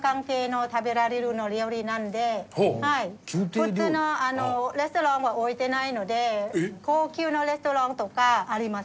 普通のレストランは置いてないので高級なレストランとかあります。